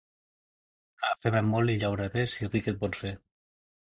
Afema molt i llaura bé, si ric et vols fer.